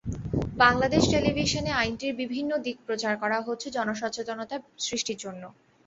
বাংলাদেশ টেলিভিশনে আইনটির বিভিন্ন দিক প্রচার করা হচ্ছে জনসচেতনতা সৃষ্টির জন্য।